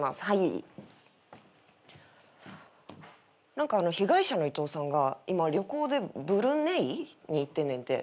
何か被害者のイトウさんが今旅行でブルネイ？に行ってんねんて。